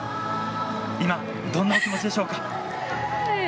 今どんなお気持ちでしょうか。